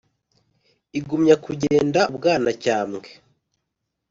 igumya kugenda u bwanacyambwe